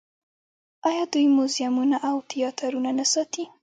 آیا دوی موزیمونه او تیاترونه نه ساتي؟